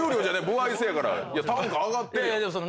歩合制やから単価上がってるやん。